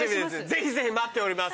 ぜひぜひ待ってます。